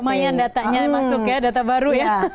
lumayan datanya masuk ya data baru ya